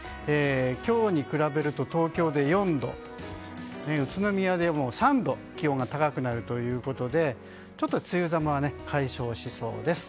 今日に比べると東京で４度宇都宮で３度気温が高くなるということでちょっと梅雨寒は解消しそうです。